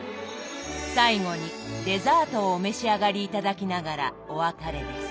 最後にデザートをお召し上がり頂きながらお別れです。